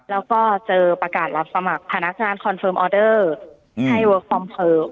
แล้วก็เจอประกาศรับสมัครพนักงานคอนเฟิร์มออเดอร์